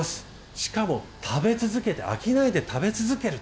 しかも食べ続けて飽きないで食べ続ける。